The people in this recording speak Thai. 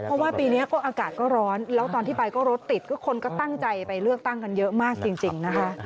เพราะว่าปีนี้ก็อากาศก็ร้อนแล้วตอนที่ไปก็รถติดก็คนก็ตั้งใจไปเลือกตั้งกันเยอะมากจริงนะคะ